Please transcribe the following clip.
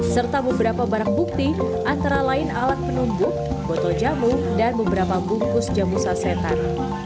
serta beberapa barang bukti antara lain alat penumbuk botol jamu dan beberapa bungkus jamu sasetan